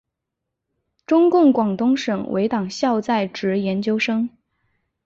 中共广东省委党校在职研究生。